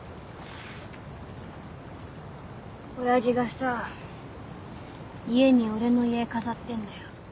親父がさ家に俺の遺影飾ってんだよ。